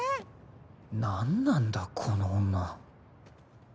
何なんだこの女